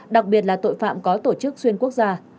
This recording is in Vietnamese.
đặc biệt là tội phạm có tổ chức xuyên quốc gia